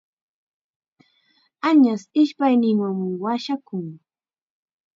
Añas ishpayninwanmi washakun.